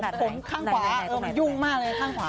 ผมข้างขวามันยุ่งมากเลยข้างขวา